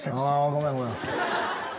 ごめんごめん。